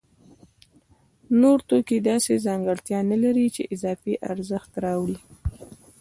نور توکي داسې ځانګړتیا نلري چې اضافي ارزښت راوړي